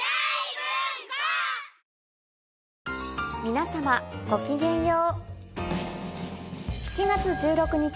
皆様ごきげんよう。